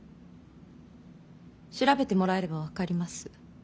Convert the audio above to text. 調べてもらえれば分かります。